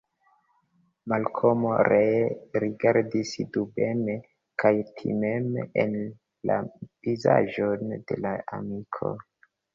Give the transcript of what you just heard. Malkomo ree rigardis dubeme kaj timeme en la vizaĝon de la amiko.